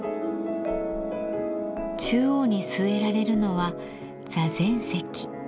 中央に据えられるのは座禅石。